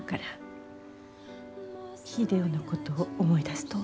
秀夫のことを思い出すと。